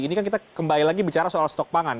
ini kan kita kembali lagi bicara soal stok pangan